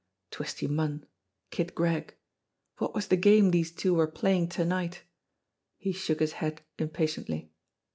Twisty Munn ! Kid Gregg ! What was the game these two were playing to night? He shook his head impatiently.